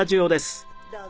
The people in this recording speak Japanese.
どうぞ。